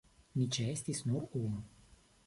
Ni ĉeestis nur unu.